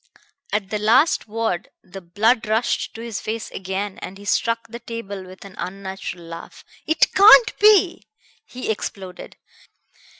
At the last word the blood rushed to his face again and he struck the table with an unnatural laugh. "It can't be!" he exploded.